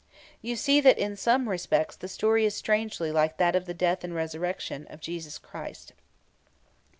You see that in some respects the story is strangely like that of the death and resurrection of Jesus Christ.